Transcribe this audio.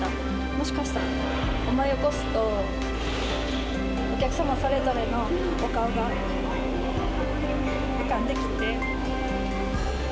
もしかしたら思い起こすと、お客様それぞれのお顔が浮かんできて。